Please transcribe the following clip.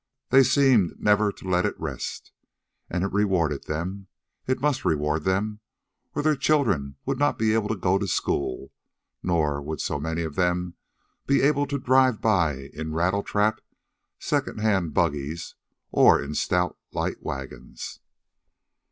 They seemed never to let it rest. And it rewarded them. It must reward them, or their children would not be able to go to school, nor would so many of them be able to drive by in rattletrap, second hand buggies or in stout light wagons.